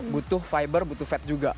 butuh fiber butuh fed juga